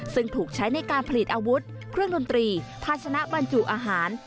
ซึ่งถูกใช้ในการผลิตอาวุธเครื่องดนตรีภาชนะบรรจุอาหาร